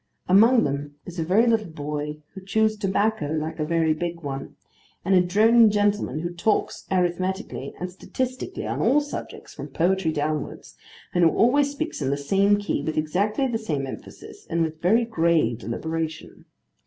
Among them is a very little boy, who chews tobacco like a very big one; and a droning gentleman, who talks arithmetically and statistically on all subjects, from poetry downwards; and who always speaks in the same key, with exactly the same emphasis, and with very grave deliberation.